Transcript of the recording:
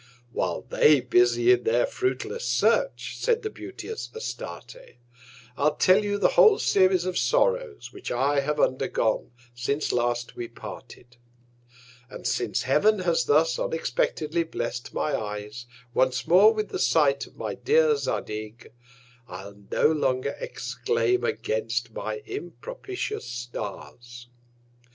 Whilst they busy in their fruitless Search, said the beauteous Astarte, I'll tell you the whole Series of Sorrows which I have undergone since last we parted; and since Heav'n has thus unexpectedly blest my Eyes once more with the Sight of my dear Zadig, I'll no longer exclaim against my impropitious Stars.